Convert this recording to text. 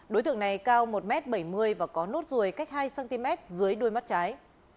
đối tượng này cao một m bảy mươi và có nốt ruồi cách hai cm dưới đuôi mắt trái